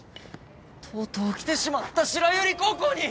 とうとう来てしまった白百合高校に！